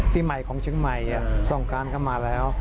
ปีใหม่ของเชียงใหม่สงการเข้ามาแล้ว